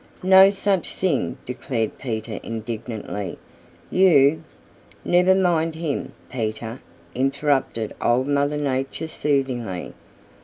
"No such thing!" declared Peter indignantly. "You " "Never mind him, Peter," interrupted Old Mother Nature soothingly.